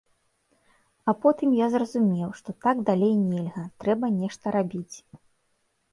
А потым я зразумеў, што так далей нельга, трэба нешта рабіць.